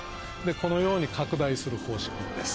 このように拡大する方式です。